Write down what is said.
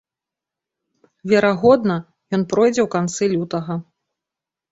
Верагодна, ён пройдзе ў канцы лютага.